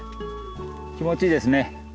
気持ちいいですね。